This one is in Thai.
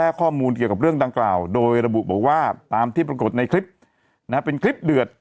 เรียกใครเหรอเจ้า